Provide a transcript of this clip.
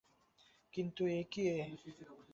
কিন্তু এ কী এ!